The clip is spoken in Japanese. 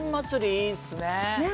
いいですね